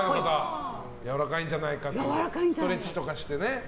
やわらかいんじゃないかとストレッチとかしてね。